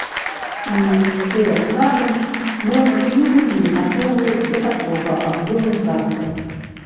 І, шчыра скажам, мы не былі гатовыя да такога аб'ёму працы.